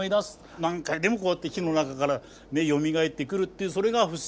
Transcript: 何回でもこうやって火の中からよみがえってくるというそれが不死鳥。